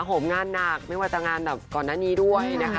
ผมงานหนักไม่ว่าจะงานแบบก่อนหน้านี้ด้วยนะคะ